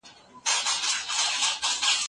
خپل وخت په ګټورو مطالعو تېر کړئ.